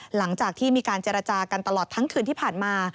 หลังจากที่มีการเจรจากันตลอดทั้งคืนที่ผ่านมา